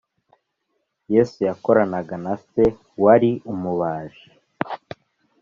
Yesu yakoranaga na se wari umubaji